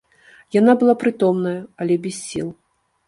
Яна была прытомная, але без сіл.